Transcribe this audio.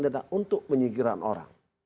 tidak untuk menyikirkan orang